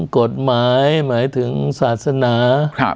กฎหมายหมายถึงศาสนา